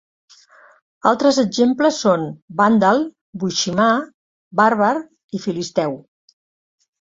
Altres exemples són vàndal, boiximà, bàrbar i filisteu.